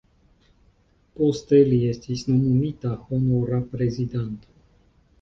Poste li estis nomumita Honora Prezidanto.